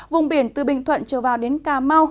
vùng biển từ bình thuận trở vào đến cà mau